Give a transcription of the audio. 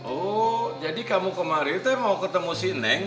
oh jadi kamu kemarin saya mau ketemu si neng